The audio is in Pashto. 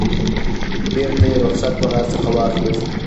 بیرته یې رخصت راڅخه واخیست.